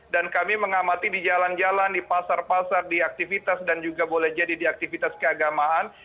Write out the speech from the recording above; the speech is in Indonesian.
dan kami mengamati di jalan jalan di pasar pasar di aktivitas dan juga boleh jadi di aktivitas keagamaan